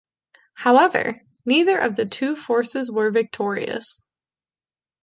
However, neither of the two forces were victorious.